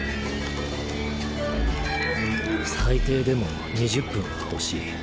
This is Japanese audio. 最低でも２０分は欲しい